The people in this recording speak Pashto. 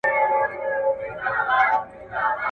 کله چې نور ګلونه مړه شي دا ګل راوځي.